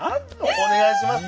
お願いします。